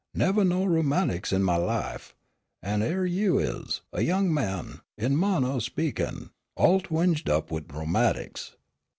Nevah had no rheumatics in my life, an' yere you is, a young man, in a mannah o' speakin', all twinged up wid rheumatics.